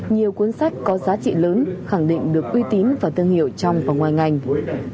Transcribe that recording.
nhiều cuốn sách có giá trị lớn khẳng định được uy tín và thương hiệu trong công an nhân dân